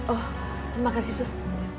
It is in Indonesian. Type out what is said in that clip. oh terima kasih sus